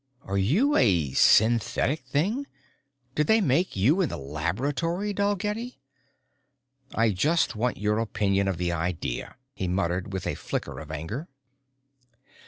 "Are you a synthetic thing? Did they make you in the laboratory, Dalgetty?" "I just want your opinion of the idea," he muttered with a flicker of anger.